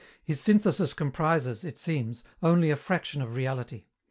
His synthesis comprises, it seems, only a fraction of reality.